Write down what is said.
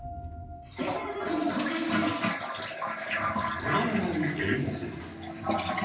止まらない円安。